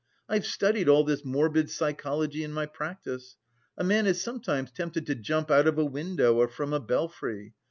I've studied all this morbid psychology in my practice. A man is sometimes tempted to jump out of a window or from a belfry.